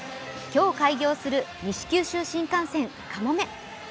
今日開業する西九州新幹線かもめ。